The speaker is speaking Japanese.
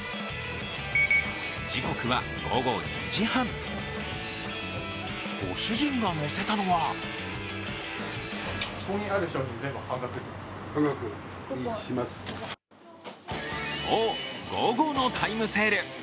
時刻は午後２時半、ご主人が乗せたのはそう、午後のタイムセール。